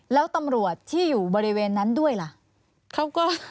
แล้วตำรวจที่อยู่บริเวณนั้นด้วยล่ะ